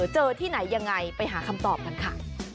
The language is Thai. ที่ไหนยังไงไปหาคำตอบกันค่ะ